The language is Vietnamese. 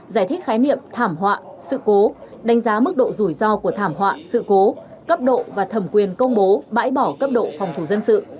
giải thích khái niệm thảm họa sự cố đánh giá mức độ rủi ro của thảm họa sự cố cấp độ và thẩm quyền công bố bãi bỏ cấp độ phòng thủ dân sự